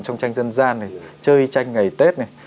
trong tranh dân gian này chơi tranh ngày tết này